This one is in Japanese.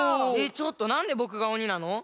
ちょっとなんでぼくがおになの？